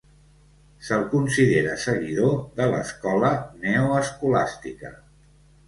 Se'l considera seguidor de l'escola neoescolàstica.